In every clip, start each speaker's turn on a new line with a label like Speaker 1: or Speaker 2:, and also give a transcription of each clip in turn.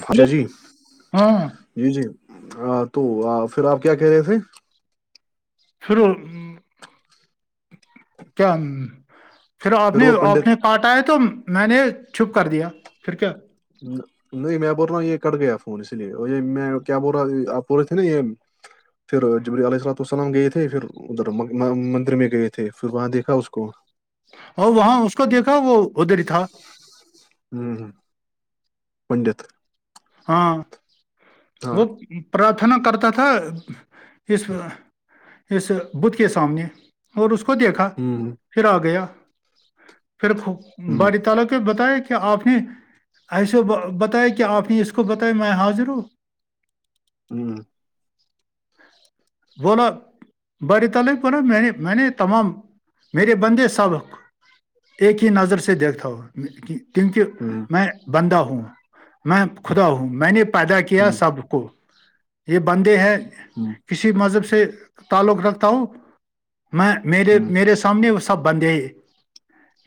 Speaker 1: اوھا جی
Speaker 2: ہاں
Speaker 1: جی جی تو پھر آپ کیا کہہ رہے تھے
Speaker 2: شرو [unintelligible] کیا پھر آپ نے
Speaker 1: وہ
Speaker 2: اپ نے
Speaker 1: پنڈت
Speaker 2: کاٹ آئے تو میں نے چھپ کر دیا پھر کیا
Speaker 1: ہ [unintelligible] نہیں میں بول رہا یہ کٹ گیا فون اس لیے اور یہ میں کیا بول رہا آپ بول رہے تھے نا یہ پھر جبریی علیہ اللاات والسلام گئے تھے پھر ادھر مندر میں گئے تھے پھر وہاں دیکھا اس کو
Speaker 2: اور وہاں اس کو دیکھا وہ ادھر تھا
Speaker 1: ہ ہ پنڈت
Speaker 2: ہاں
Speaker 1: ہاں
Speaker 2: وہ پرارھنا کرتا تھا اس اس بھ کے سامنے اور اس کو دیکھا
Speaker 1: ہوں،
Speaker 2: پھر آ گیا پھر
Speaker 1: ہوں،
Speaker 2: باڑی تعالق بتایا کہ آپ نے ایسے بتایا کہ آپ نے اس کو بتائی میں حاضر ہوں
Speaker 1: ہوں
Speaker 2: وہ نا بڑی تل پا میں نے میں نے تمام میرے بندے سبق ایک ہی نظر سے دیکھتا ہووں کیونکہ
Speaker 1: ہوں،
Speaker 2: میں بندہ ہوں میں خدا ہوں میں نے پیدا کیا
Speaker 1: ہوں،
Speaker 2: سب کو یہ بندے ہیں
Speaker 1: ہوں
Speaker 2: کسی مذہب سے تعلق رکھتا ہوں میں میرے
Speaker 1: ہوں،
Speaker 2: میرے سامنے وہ سب بندے ہیں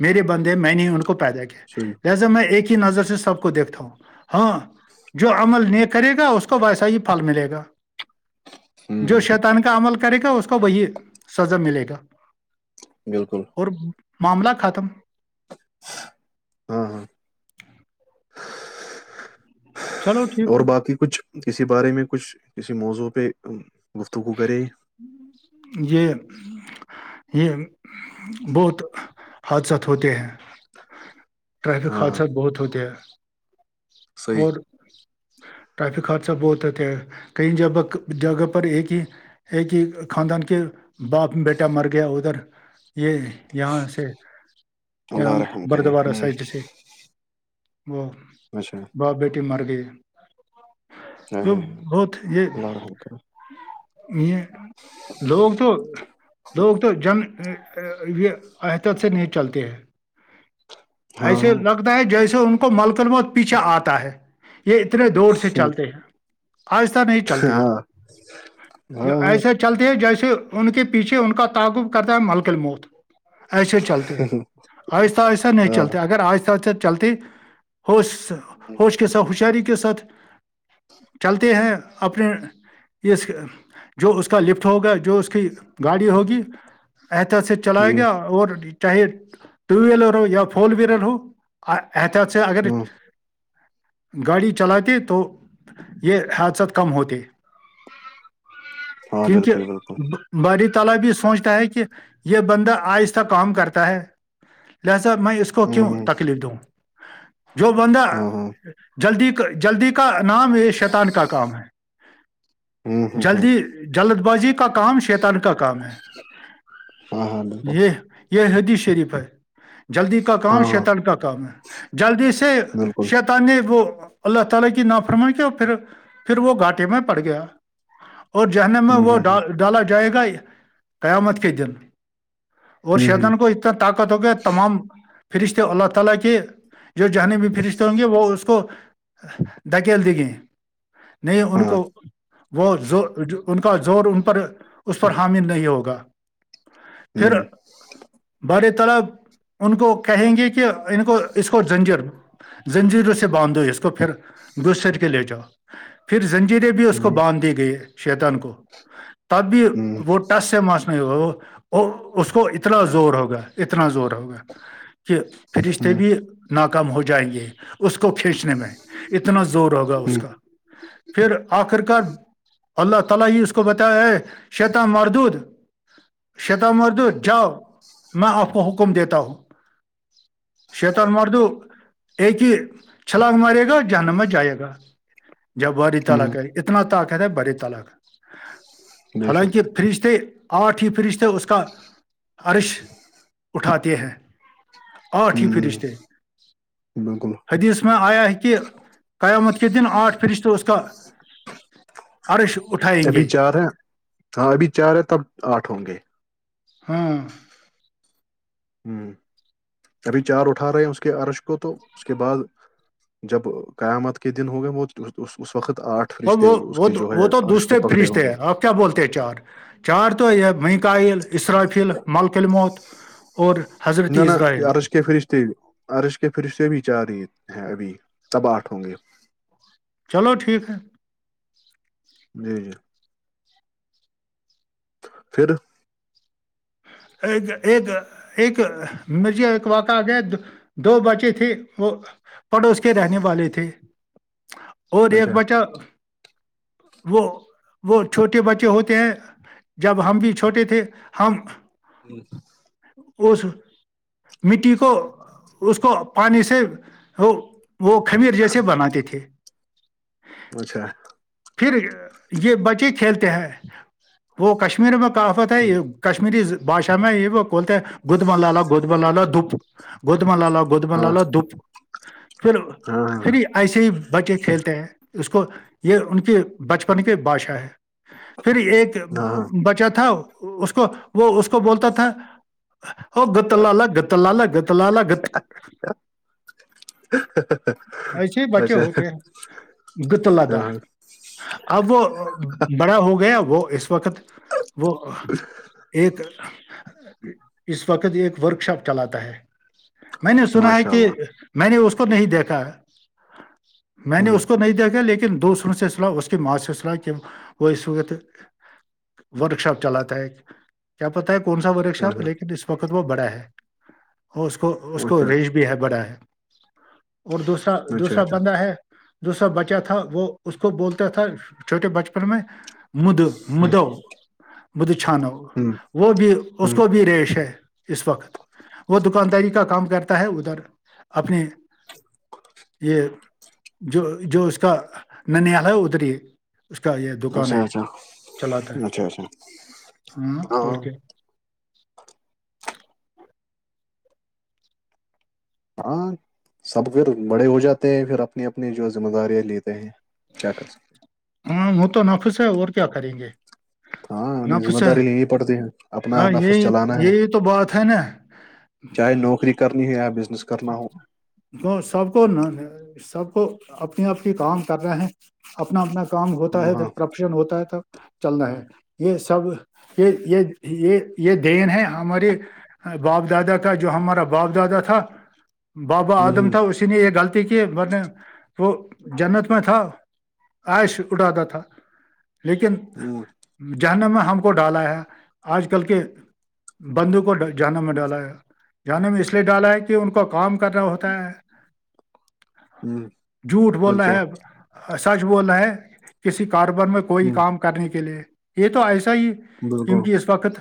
Speaker 2: میرے بندے میں نے ان کو پیدا
Speaker 1: صحیح
Speaker 2: کیا جیسے میں ایک ہی نظر سے سب کو دیکھتا ہوں ہاں
Speaker 1: ج [inaudible]
Speaker 2: جو عمل نہیں کرے گا اس کو ویسا ہی پھل ملے گا جو
Speaker 1: ہ
Speaker 2: شیطان کا عمل کرے گا اس کو وہی سزا ملے گا
Speaker 1: بالکل
Speaker 2: اور معاملہ ختم
Speaker 1: ہاں ہاں
Speaker 2: چلو ٹھیک
Speaker 1: اور
Speaker 2: ہے
Speaker 1: باقی کچھ کسی بارے میں کچھ کسی موضوع پہ گفتگو کرے
Speaker 2: یہ [unintelligible] یہ بہت حادثات ہوتے ہیں ٹریفک
Speaker 1: ہاں ہاں
Speaker 2: حادثات بہت ہوتے ہیں
Speaker 1: صحیح
Speaker 2: اور ٹریفک حادثہ بہتتا ہے کئی جگہ جگہ پر ایک ہی ایک کہ خاندان کے باپ بیٹا مر گیا ادھر یہ یہاں سے
Speaker 1: اللہ
Speaker 2: یہاں
Speaker 1: رحم کرے
Speaker 2: بردوارہ سے
Speaker 1: ہ
Speaker 2: ج سے وہ
Speaker 1: اچھا
Speaker 2: باپ بیٹی مر گئی
Speaker 1: ہے
Speaker 2: وہ
Speaker 1: ہے ہے
Speaker 2: بہت یہ
Speaker 1: اللہ رحم کرے
Speaker 2: یہ لوگ تو لوگ تو جن یہ احتت سے نہیں چلتے ہے
Speaker 1: ہاں
Speaker 2: ایسے لگتا ہے جیسے ان کو ملکن میںہت پیچھا آتا ہے یہ اتنے دور سے چلتے ہیں آستستک نہیں چلتی
Speaker 1: ہاں ہاں
Speaker 2: ایسا چلتے ہیں جیسے ان کے پیچھے ان کا تعقب کرتا ہے ملکل موت ایسے چلتے ہیں آہستہ آہستہ نہیں
Speaker 1: ہاں
Speaker 2: چلتے اگر آہستہ آہستہ چلتے ہوش
Speaker 1: ہاں،
Speaker 2: ہوش کے ساتھ ہوشیاری کے ساتھ چلتے ہیں اپنے اس جو اس کا لفٹ ہوگا جو اس کی گاڑی ہوگی احتط سے چلائے
Speaker 1: جی
Speaker 2: گیا اور چاہے ٹو ویلر ہو یا فور ویلر ہو احتیاط سے اگر
Speaker 1: ہاں
Speaker 2: گاڑی چلاتی تو یہ حادثات کم ہوتے
Speaker 1: ہاں بالکل بالکل
Speaker 2: کیونکہ بڑی تعالی بھی سوچتا ہے کہ یہ بندہ آہستہ کام کرتا ہے لہذا میں اس کو کیوں
Speaker 1: ہوں
Speaker 2: تکلیف دوں جو بندہ
Speaker 1: ہاں ہاں
Speaker 2: جلدی کا جلدی کا نام یہ شیتان کا کام ہے
Speaker 1: ہوں ہوں ہوں
Speaker 2: جلدی جلد بازی کا کام شیتان کا کام ہے
Speaker 1: ہاں ہاں بالکل
Speaker 2: یہ حدی شریف ہے جلدی کا
Speaker 1: ہاں
Speaker 2: کام
Speaker 1: ہاں
Speaker 2: شیتان کا کام ہے جلدی سے
Speaker 1: بالکل
Speaker 2: شیت ت نہیں وہ اللہ تال کی نفرم کیا پھر پھر وہ گھاٹے میں پڑ گیا اور جہنم میں
Speaker 1: ہوں
Speaker 2: وہ
Speaker 1: ہوں ہوں
Speaker 2: ڈالا جائے گا قیامت کے دن اور
Speaker 1: ہوں ہوں
Speaker 2: شیتان کو اتنا طاقت ہوگیا تمام رشتے اللہ تعالی کے جو جان گے وہ اس کو [unintelligible] دھکیل دی گئی نہیں ان
Speaker 1: ہاں
Speaker 2: کو وہ ز ان کا زور ان پر اس پر حامل نہیں ہوگا پھر
Speaker 1: ہوں
Speaker 2: بار طلب ان کو کہیں گے کہ ان کو اس کو جنجر زنجیروں سے باندھو اس کو پھر گس کے لے جاؤ پھر زنجیرے بھی اس کو
Speaker 1: ہوں
Speaker 2: باندھ دی گئی ہے شیطان کو تب بھی
Speaker 1: ہوں
Speaker 2: وہ ٹس سے مس وہ اس کو اتنا زور ہوگا اتنا زور ہوگا کہ فرشست
Speaker 1: ہوں
Speaker 2: بھیی ن کم ہو جائیں گے اس کو کھینچنے میں اتنا زور ہوگا اس
Speaker 1: ہوں
Speaker 2: کا پھر آخرکار [unintelligible] اللہ تعالی ہی اس کو بتایا ہے شط مردو جاؤ میں آپ کو حکم دیتا ہوں شتان مار دو [unintelligible] ایک ہی چھلاگ مارے گا جہانا مت جائے گا جب بری
Speaker 1: ہوں
Speaker 2: تالق ہے اتنا طاقت ہے بری تالق
Speaker 1: بے شک
Speaker 2: حالانکہ فریج تھ آٹھ ہی فریج تھ اس کا عرش اٹھاتے ہیں ہ ٹھ
Speaker 1: ہوں
Speaker 2: پھرستےے
Speaker 1: [unintelligible]
Speaker 2: حدیث میں آیا ہے کہ قیامت کے دن آٹھ فرشت اس کا عرش اٹھائی
Speaker 1: ابھی چار ہے ہاں ابھی چار ہے تب آٹھ ہوں گے
Speaker 2: ہاں
Speaker 1: ہوں ابھی چار اٹھا رہے ہیں اس کے عرش کو تو اس کے بعد جب قیامت کے دن ہو گئے وہ اس وقت آٹھ
Speaker 2: اور
Speaker 1: رشتے
Speaker 2: وہ
Speaker 1: اس
Speaker 2: وہ
Speaker 1: کے
Speaker 2: تو-
Speaker 1: جو ہے
Speaker 2: وہ تو
Speaker 1: عرش کو
Speaker 2: دوسرے
Speaker 1: پکڑے ہوں
Speaker 2: فرشتے
Speaker 1: گے
Speaker 2: ہیں آپ بولتے ہیں چار چار تو وہیں کو اسرائل اسرافیل ملکل موت اور حضرتی اسرائیل
Speaker 1: فریشے عرض کے پھر اس سے بھی چار رہی ہیں ابھی تب آٹھ ہوں گے
Speaker 2: چلو ٹھیک ہے
Speaker 1: [inaudible] [unintelligible]
Speaker 2: ایک ایک ایک مھے ایک وقع گ دو بچے تھے وہ پڑوس کے رہنے والے تھے اور ایک
Speaker 1: اچھا
Speaker 2: بچہ وہ وہ چھوٹے بچے ہوتے ہیں جب ہم بھی چھوٹے تھے ہم
Speaker 1: [inaudible]
Speaker 2: [unintelligible] مٹی کو اس کو پانی سے وہ وہ خمیر جیسے بناتے تھے
Speaker 1: اچھا
Speaker 2: پھر یہ بچے کھیلتے ہیں وہ کشمیر میں آفت ہے یہ کشمیری بھشا میں یہ وہ بولتے ہیں گود م لالا گود مل لالا دپ گودما لا لاو گودما لا
Speaker 1: ہاں
Speaker 2: لا دپ پھر
Speaker 1: ہاں
Speaker 2: پھر
Speaker 1: ہاں
Speaker 2: یہ ایسے ہی بچے کھیلتے ہیں اس کو یہ ان کی بچپن کی بادشا ہے پھر ایک
Speaker 1: ہاں ہاں
Speaker 2: بچہ تھا اس کو وہ اس کو بولتا تھا ا گت لالا گت لالا گت لالا گت ایسے بچے
Speaker 1: اچھا
Speaker 2: ہوتے ہیں
Speaker 1: ہاں ہاں
Speaker 2: اب وہ بڑا ہو گیا وہ اس وقت وہ اس وقت ایک ورک شاپ چلاتا ہے میں نے سنا ہے
Speaker 1: ماشاء
Speaker 2: کہ
Speaker 1: اللہ
Speaker 2: میں نے اس کو نہیں دیکھا میں نے
Speaker 1: ہوں
Speaker 2: اس کو نہیں دیکھا لیکن دوسروں سے س اس کی ماسوس رہا کہ وہ اس وقت ورک شاپ چلاتا ہے ایک کیا پتا ہے کون سا وہ رکشا
Speaker 1: اچھا
Speaker 2: لیکن اس وقت وہ بڑا ہے اور اس کو اس کو رینج
Speaker 1: اچھا
Speaker 2: بھی ہے بڑا ہے اور دوسرا
Speaker 1: اچھا
Speaker 2: دوسرا
Speaker 1: اچھا
Speaker 2: بندہ ہے دو سا بچہ تھا وہ اس کو بولتا تھا چھوٹے بچپن میں مد
Speaker 1: ہوں
Speaker 2: مدو مد چانو
Speaker 1: ہوں
Speaker 2: وہ بھی اس
Speaker 1: ہوں
Speaker 2: کو بھی ریش ہے اس وقت وہ دکانداری کا کام کرتا ہے ادھر اپنے یہ جو جو اس کا ننیالہ ہے اتری ہے اس کا یہ دکان
Speaker 1: اچھا
Speaker 2: ہے
Speaker 1: اچھا
Speaker 2: چلاتا ہے
Speaker 1: اچھا اچھا
Speaker 2: ہاں اور کیا
Speaker 1: ہاں سب پھر بڑے ہو جاتے ہیں پھر اپنی اپنی جو ذمہ داریاں لیتے ہیں کیا کر
Speaker 2: ہاں وہ تو نافس ہے اور کیا کریں گے
Speaker 1: ہاں انیں ذمہ
Speaker 2: نفس ہے
Speaker 1: داری لینی پڑتی ہے اپنا
Speaker 2: ہاں
Speaker 1: نفس
Speaker 2: یہی
Speaker 1: چلانا ہے
Speaker 2: یہی تو بات ہے نا
Speaker 1: چاہے نوکری کرنی ہو یا بزنس کرنا ہو
Speaker 2: کو سب کو سب کو اپنی آ کے کام کر رہے ہیں اپنا اپنا کام ہوتا ہے
Speaker 1: ہاں
Speaker 2: تب پرپشن ہوتا ہے تب چل رہا ہے یہ سب یہ یہ یہ یہ دین ہے ہمارے باپ دادا کا جو ہمارا باپ دادا تھا بابا آدم
Speaker 1: ہ
Speaker 2: تھا اسی نے ایک غلطی کی ور نے وہ جنت میں تھا عائش اٹھاتا تھا لیکن
Speaker 1: ہ
Speaker 2: جانب میں ہم کو ڈالا ہے آج کل کے بندو کو جانے میں ڈالا ہے جانے میں اس لیے ڈالا ہے کہ ان کو کام کر رہنا ہوتا ہے
Speaker 1: ہ
Speaker 2: جھوٹ بول رہ
Speaker 1: بالکل
Speaker 2: ہے سچ بول رہے ہیں کسی کاروبار میں کوئی
Speaker 1: ہ
Speaker 2: کام کرنے کے لیے یہ تو ایسا ہی
Speaker 1: بالکل
Speaker 2: کیونکہ اس وقت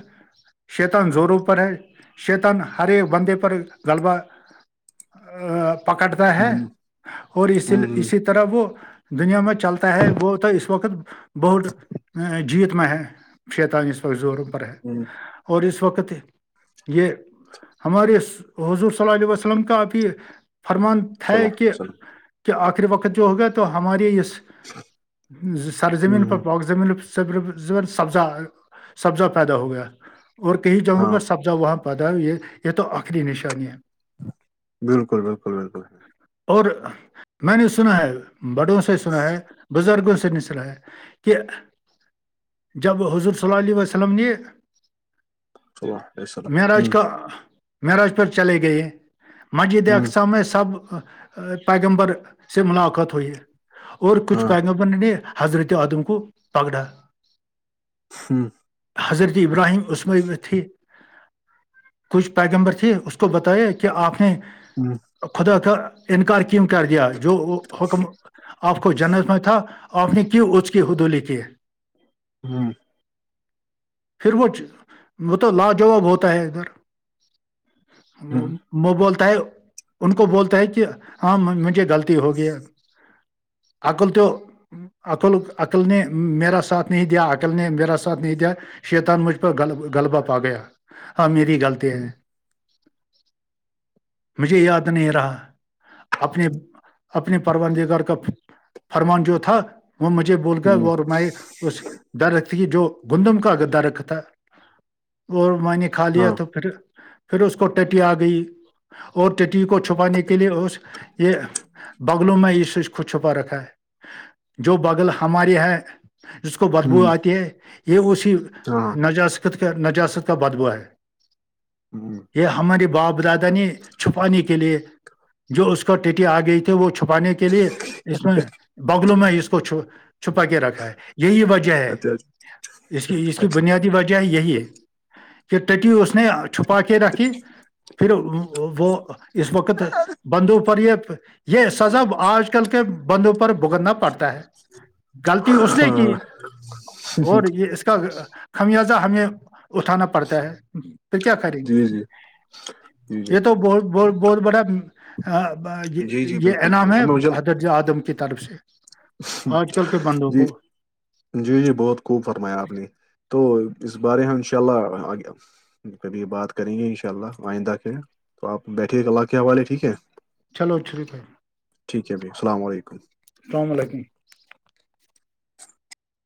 Speaker 2: شیتن زوروں پر ہے شیتن ہر ایک بندے پر غلبہ پکڑتا ہے
Speaker 1: ہ ہ
Speaker 2: اور اسی
Speaker 1: ہ
Speaker 2: اسی طرح طرح وہ دنیا میں چلتا ہے وہ تو اس وقت بہت جیت میں ہے شیتالیس وق زوروں پر ہے
Speaker 1: ہوں
Speaker 2: اور اس وقت یہ ہمارے حضور صل ال وس لم کاب فرمان ہے
Speaker 1: چلو
Speaker 2: کہ
Speaker 1: وسلم
Speaker 2: کہ آخری وقت جو ہوگا تو ہمارے یہ سر
Speaker 1: ہ
Speaker 2: زمین پر
Speaker 1: ہ
Speaker 2: پواک زمین پر س سبز سبزہ پیدا ہو گیا اور کئی جگہوں پر
Speaker 1: ہاں
Speaker 2: سبزا وہاں پد آؤ یہ یہ تو خری نشانی ہے
Speaker 1: بالکل بالکل بالکل
Speaker 2: اور میں نے سنا ہے بڑوں سے سنا ہے بزرگوں سے نہیں سنا ہے کہ جب حضور صلی اللہ علیہ وسلم نے
Speaker 1: صلی اللہ علیہ
Speaker 2: م
Speaker 1: وسلم
Speaker 2: راج
Speaker 1: ہ ہ
Speaker 2: کا میرج پر چلے گئے ماجد ا سا میں سب پیگمبر سے ملاقات ہوئی ہے اور کچھ
Speaker 1: ہاں
Speaker 2: پیغمبر نے حضرت عدم کو پگڑا
Speaker 1: ہوں
Speaker 2: حضرت ابراہیم عمئی میں تھی کچھ پیگمبر تھے اس کو بتایا کہ آپ نے
Speaker 1: ہوں
Speaker 2: خدا کا انکار کیوں کر دیا جو حکم آپ کو جنت میں تھا اپنی کی اچکے ہو دھلیے کے
Speaker 1: ہاں
Speaker 2: پھر وہ چ وہ تو لاجواب ہوتا ہے ادھر
Speaker 1: ہ ہ
Speaker 2: وہ بولتا ہے ان کو بولتا ہے کہ ہاں مجھے غلط ہو گیا اکل تو عقل عقل نے میرا ساتھ نہیں دیا عقل نے میرا ساتھ نہیں دیا شیتان مجھ پر گل گغلبہ پا گیا ہاں میری غط ہے مجھے یاد نہیں رہا اپنی اپنے پربانندگرار کا فرمان جو تھا وہ مجھے بول کر اور میں اس در رخت کی جو گندم کا گدا رت تھا اور منی کھا لیا
Speaker 1: ہاں
Speaker 2: تو پھر پھر اس کو ٹٹی آگ گئی اور ٹی کو چھپانے کے لیئے اس یہ بغلوں میں یہ سچ ک چھپا رکھا ہے جو بغل ہماری ہے جس کو بدبو آتی ہے یہ اسی
Speaker 1: تو
Speaker 2: نجست کا نجس کا بدبو ہے یہ ہماری باپ دادا نے چھپانے کے لیے جو اس کو ٹیٹی آ گئی تھی وہ چھپانے کے کے لیے اس میں بگلوں میں اس کو چو چھپا کے رکھا ہے یہی وجہ ہے
Speaker 1: اچھا اچھا
Speaker 2: اس کی اس کی بنیادی وجہ ہے یہی کہ ٹی اس نے چھپا کے رکھی پھر وہ اس وقت بندو پر یہ یہ سزب آج کل کے بندوں پر بھگتنا پڑتا ہے غلطی اس
Speaker 1: اچھا
Speaker 2: نے کی
Speaker 1: ہاں
Speaker 2: اور یہ اس کا خمیازہ ہمیں اٹھانا پڑتا ہے کیا کریں گے
Speaker 1: جی جی [unintelligible]
Speaker 2: یہ تو ب ب بہت بڑا ہاں یہ
Speaker 1: جی جی
Speaker 2: یہ
Speaker 1: بالکل
Speaker 2: انعام
Speaker 1: بالکل
Speaker 2: ہے
Speaker 1: اب میں مجھے
Speaker 2: حدرج ادم کی طرف سے آج کل کے بندوں
Speaker 1: جی
Speaker 2: کو
Speaker 1: جی جی بہت خوب فرمایا آپ نے تو اس بارے ہم ان شاء اللہ آ گیا کبھی بات کریں گے ان شاء اللہ آئندہ کے تو آپ بیٹھیے اللہ کے حوالے ٹھیک ہے
Speaker 2: چلو اچ شرییک
Speaker 1: ٹھیک ہے بھائی السلام علیکم
Speaker 2: السلام علیکم